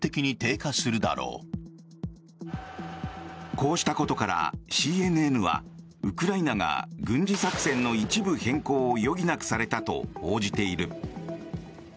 こうしたことからＣＮＮはウクライナが軍事作戦の一部変更を余儀なくされたと報じている。